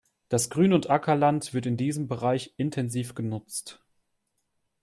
Das Grün- und Ackerland wird in diesem Bereich intensiv genutzt.